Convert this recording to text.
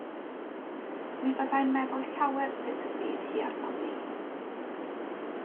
Mi fydda i'n meddwl llawer sut y bydd hi arnom ni.